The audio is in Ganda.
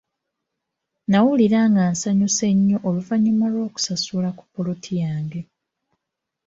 Nawulira nga nkyamuse nnyo oluvannyuma lw'okusasula ku ppoloti yange.